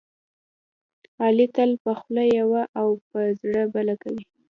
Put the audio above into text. علي تل په خوله یوه او په زړه بله کوي.